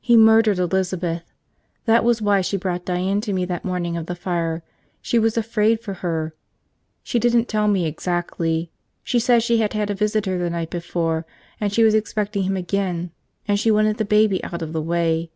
He murdered Elizabeth. That was why she brought Diane to me that morning of the fire, she was afraid for her. She didn't tell me, exactly. She said she had had a visitor the night before, and she was expecting him again, and she wanted the baby out of the way.